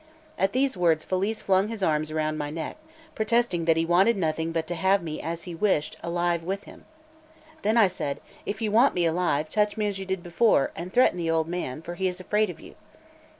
At those words Felice flung his arms around my neck, protesting that he wanted nothing but to have me as he wished alive with him. Then I said: "If you want me alive, touch me as you did before, and threaten the old man, for he is afraid of you."